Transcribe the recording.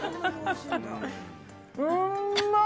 うんまっ！